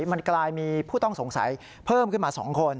มันกลายมีผู้ต้องสงสัยเพิ่มขึ้นมา๒คน